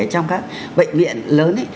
trong các bệnh viện lớn